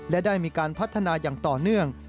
และได้มีการพัฒนาอย่างต่อเนื่อง